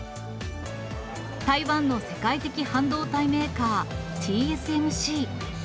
台湾の世界的半導体メーカー、ＴＳＭＣ。